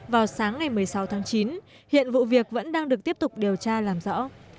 vào sáng ngày một mươi sáu tháng chín hiện vụ việc vẫn đang được tiếp tục điều tra làm rõ